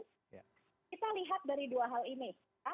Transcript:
kita lihat dari dua hal ini